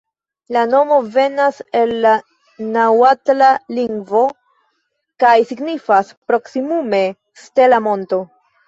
La nomo venas el la naŭatla lingvo kaj signifas proksimume «stela monto».